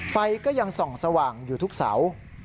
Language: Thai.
ไฟก็ยังส่องสว่างอยู่ทุกเสา